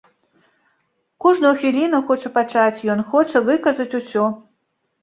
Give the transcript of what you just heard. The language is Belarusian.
Кожную хвіліну хоча пачаць ён, хоча выказаць усё.